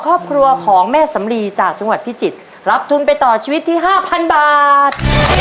ครอบครัวของแม่สำลีจากจังหวัดพิจิตรรับทุนไปต่อชีวิตที่ห้าพันบาท